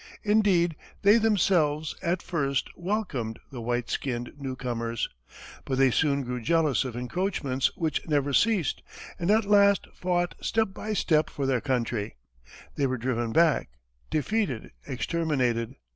Indeed, they themselves, at first, welcomed the white skinned newcomers; but they soon grew jealous of encroachments which never ceased, and at last fought step by step for their country. They were driven back, defeated, exterminated.